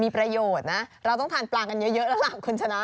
มีประโยชน์นะเราต้องทานปลากันเยอะแล้วล่ะคุณชนะ